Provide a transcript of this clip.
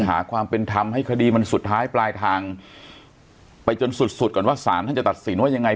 หาความเป็นธรรมให้คดีมันสุดท้ายปลายทางไปจนสุดสุดก่อนว่าสารท่านจะตัดสินว่ายังไง